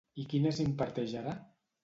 I quines imparteix ara?